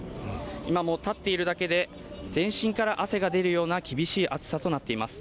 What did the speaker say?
今も立っているだけで全身から汗が出るような厳しい暑さとなっています。